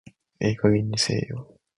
ええ加減にせえよ